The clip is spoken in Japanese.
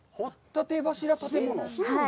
掘立柱建物？